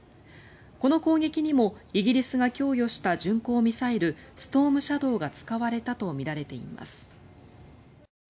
この攻撃にもイギリスが供与した巡航ミサイルストームシャドーが使われたとみられています。